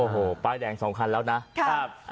โอ้โหป้ายแดง๒คันแล้วนะครับ